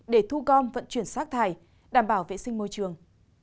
để thu gom vận chuyển rác thải đảm bảo vệ sinh môi trường